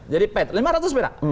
jadi pet lima ratus perak